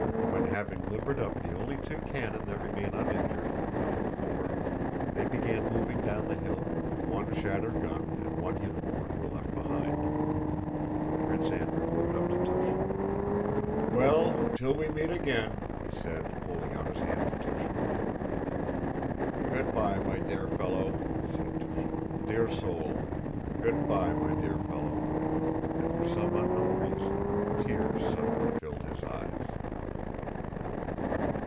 When having limbered up the only two cannon that remained uninjured out of the four, they began moving down the hill (one shattered gun and one unicorn were left behind), Prince Andrew rode up to Túshin. "Well, till we meet again..." he said, holding out his hand to Túshin. "Good by, my dear fellow," said Túshin. "Dear soul! Good by, my dear fellow!" and for some unknown reason tears suddenly filled his eyes.